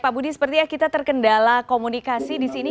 pak budi seperti ya kita terkendala komunikasi di sini